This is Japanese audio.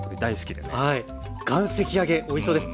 岩石揚げおいしそうです。